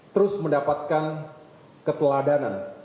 terus mendapatkan keteladanan